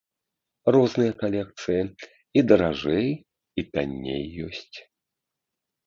Розныя калекцыі, і даражэй, і танней ёсць.